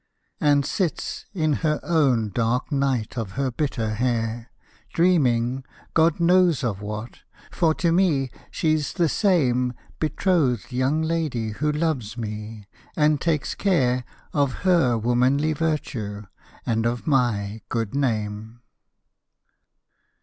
And sits in her own dark night of her bitter hair Dreaming God knows of what, for to me she's the same Betrothed young lady who loves me, and takes care Of her womanly virtue and of my good name.